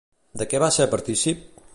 De què va ser partícip?